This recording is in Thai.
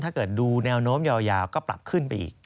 ถ้าเกิดดูแนวโน้มยาวก็ปรับขึ้นไปอีก